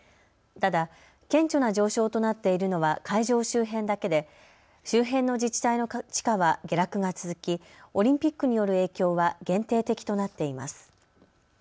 ただ、顕著な上昇となっているのは会場周辺だけで周辺の自治体の地価は下落が続きオリンピックによる影響は限定的となっています。